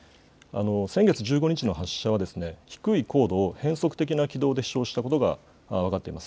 先月１５日の発射は低い高度を変則的な軌道で飛しょうしたことが分かっています。